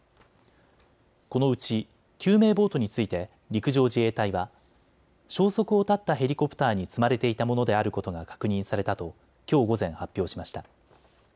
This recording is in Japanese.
このうち救命ボートについて陸上自衛隊は消息を絶ったヘリコプターに積まれていたものであることが確認されたときょう午前、発表しました。